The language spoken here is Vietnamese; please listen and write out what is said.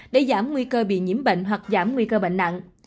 để giảm nguy cơ bị nhiễm bệnh hoặc giảm nguy cơ bệnh nặng